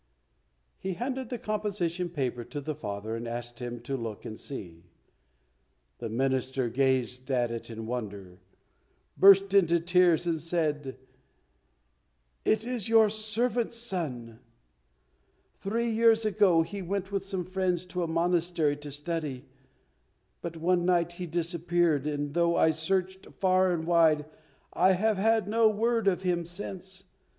He handed the composition paper to the father, and asked him to look and see. The Minister gazed at it in wonder, burst into tears, and said, "It is your servant's son. Three years ago he went with some friends to a monastery to study, but one night he disappeared, and though I searched far and wide I have had no word of him since.